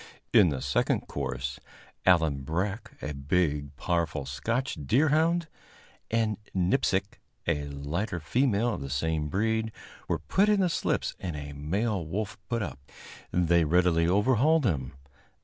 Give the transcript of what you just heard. In the second course, Allan Breck, a big, powerful Scotch deerhound, and Nipsic, a lighter female of the same breed, were put in the slips and a male wolf put up. They readily overhauled him.